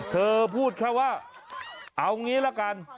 เธอพูดแค่ว่าเอางี้ละกัน